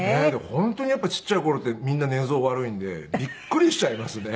本当にちっちゃい頃ってみんな寝相が悪いんでびっくりしちゃいますね。